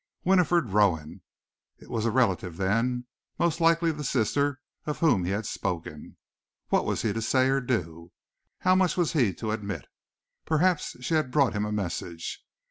Winifred Rowan! It was a relative, then, most likely the sister of whom he had spoken. What was he to say or do? How much was he to admit? Perhaps she had brought him a message.